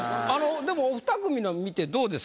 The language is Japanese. でもおふた組の見てどうですか？